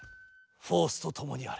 フォースとともにあれ。